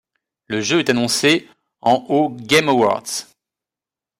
Le jeu est annoncé en aux Game Awards.